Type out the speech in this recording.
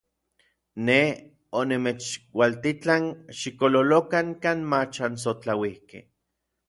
Nej onimechualtitlan xikololokan kan mach ansotlauikej.